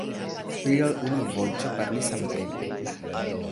Pli ol unu voĉo parolis samtempe.